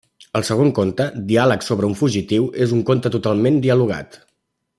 El segon conte, Diàlegs sobre un fugitiu, és un conte totalment dialogat.